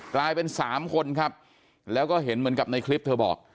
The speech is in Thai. กลายเป็นสามคนครับแล้วก็เห็นเหมือนกับในคลิปเธอบอก